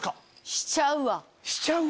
しちゃうわ！